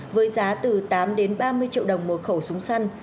với giá từ tám đến ba mươi triệu đồng một khẩu súng săn